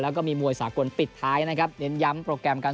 แล้วก็มีมวยสากลปิดท้ายนะครับเน้นย้ำโปรแกรมการ